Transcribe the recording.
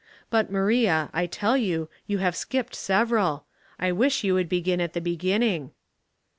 But, Maria, I tell you, you have skipped several. I wish you would begin at the beginning.'